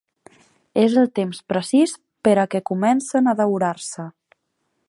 És el temps precís per a que comencen a daurar-se.